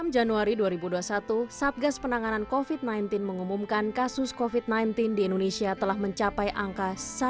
dua puluh enam januari dua ribu dua puluh satu sabgas penanganan covid sembilan belas mengumumkan kasus covid sembilan belas di indonesia telah mencapai angka satu dua belas tiga ratus lima puluh